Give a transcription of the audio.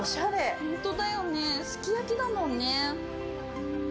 本当だよね、すき焼きだもんね。